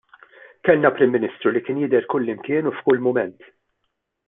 Kellna Prim Ministru li kien jidher kullimkien u f'kull mument.